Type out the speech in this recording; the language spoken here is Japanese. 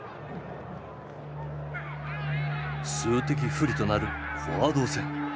数的不利となるフォワード戦。